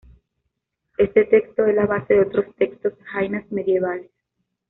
Este texto es la base de otros textos jainas medievales.